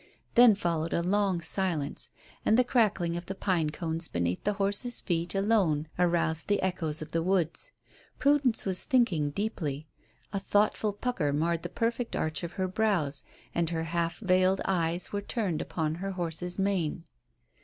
Then followed a long silence, and the crackling of the pine cones beneath the horses' feet alone aroused the echoes of the woods. Prudence was thinking deeply. A thoughtful pucker marred the perfect arch of her brows, and her half veiled eyes were turned upon her horse's mane.